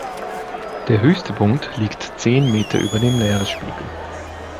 Der höchste Punkt liegt zehn Meter über dem Meeresspiegel.